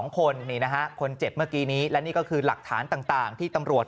๒คนนี่นะฮะคนเจ็บเมื่อกี้นี้และนี่ก็คือหลักฐานต่างที่ตำรวจ